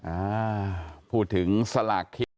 อ่าพูดถึงสลากที่